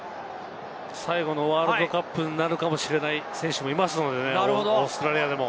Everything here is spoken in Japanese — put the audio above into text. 最後のワールドカップになるかもしれない選手もいますのでね、オーストラリアでも。